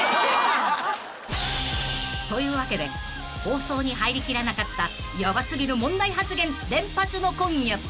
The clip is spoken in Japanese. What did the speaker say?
［というわけで放送に入りきらなかったヤバ過ぎる問題発言連発の今夜］